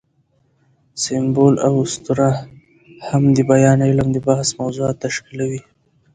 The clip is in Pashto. سمبول او اسطوره هم د بیان علم د بحث موضوعات تشکیلوي.